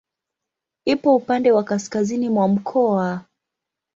Ipo upande wa kaskazini mwa mkoa.